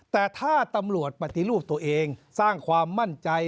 แต่ถ้าตำรวจปฏิรูปตัวเองสร้างความมั่นใจ